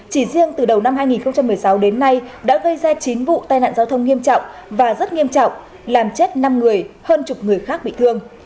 chỉ riêng từ đầu năm hai nghìn một mươi sáu đến nay đã gây ra chín vụ tai nạn giao thông nghiêm trọng và rất nghiêm trọng làm chết năm người hơn chục người khác bị thương